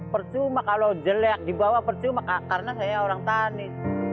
percuma kalau jelek dibawa percuma karena saya orang tani